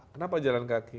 kenapa jalan kaki